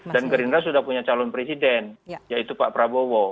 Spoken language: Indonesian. dan gerindra sudah punya calon presiden yaitu pak prabowo